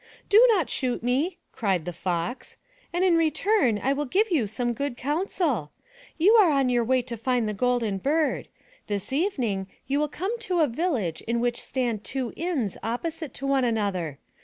'*Do not shoot me/' cried the Fox, and in return I will give you some good counsel. You are on the way to find the Golden Bird; this evening you will come to a village in which stand two inns opposite to one another.